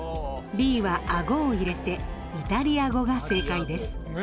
Ｂは「あご」を入れて「イタリア語」が正解です。